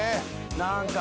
何か。